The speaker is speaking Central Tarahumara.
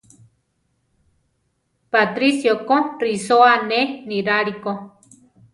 Patricio ko risóa ané niráli ko.